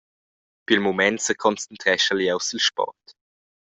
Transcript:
Pil mument seconcentreschel jeu sil sport.